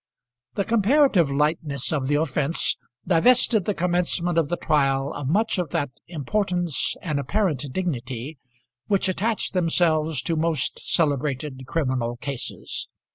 The comparative lightness of the offence divested the commencement of the trial of much of that importance and apparent dignity which attach themselves to most celebrated criminal cases.